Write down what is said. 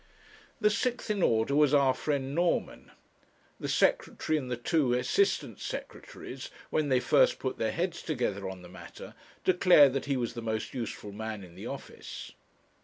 The sixth in order was our friend Norman. The Secretary and the two Assistant Secretaries, when they first put their heads together on the matter, declared that he was the most useful man in the office.